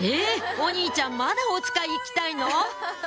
お兄ちゃんまだおつかい行きたいの？